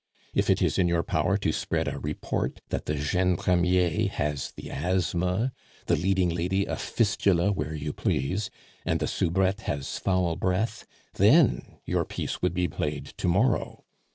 If it is in your power to spread a report that the jeune premier has the asthma, the leading lady a fistula where you please, and the soubrette has foul breath, then your piece would be played to morrow.